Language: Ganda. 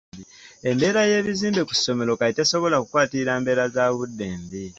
Embeera y'ebizimbe ku ssomero kati tesobola kukwatirira mbeera za budde mbi.